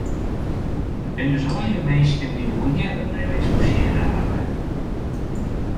It binne dus allegear minsken dy't wol earder by jo eksposearre hawwe?